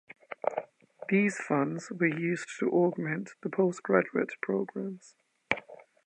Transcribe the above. These funds were used to augment the postgraduate programs.